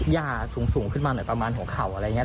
ย่าสูงขึ้นมาหน่อยประมาณหัวเข่าอะไรอย่างนี้